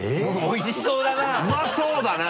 おいしそうだな！